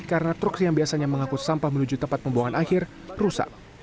karena truk yang biasanya mengangkut sampah menuju tempat pembuangan akhir rusak